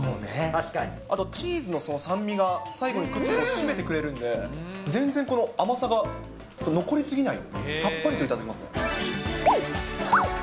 あとチーズのその酸味が、最後にくっと締めてくれるんで、全然この甘さが残り過ぎない、さっぱりと頂けますね。